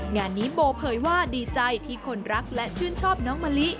งานนี้โบเผยว่าดีใจที่คนรักและชื่นชอบน้องมะลิ